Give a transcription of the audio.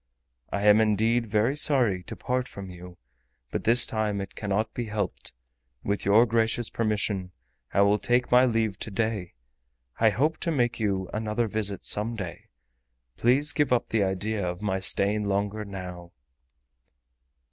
I am indeed very sorry to part from you, but this time it cannot be helped. With your gracious permission, I will take my leave to day. I hope to make you another visit some day. Please give up the idea of my staying longer now."